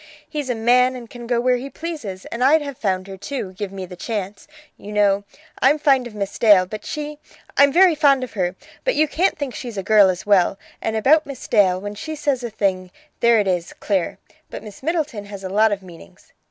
He's a man and can go where he pleases, and I'd have found her, too, give me the chance. You know. I'm fond of Miss Dale, but she I'm very fond of her but you can't think she's a girl as well. And about Miss Dale, when she says a thing, there it is, clear. But Miss Middleton has a lot of meanings.